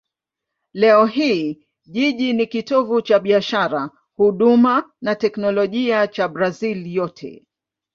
Leo hii jiji ni kitovu cha biashara, huduma na teknolojia cha Brazil yote.